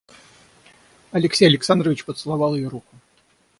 Алексей Александрович поцеловал ее руку.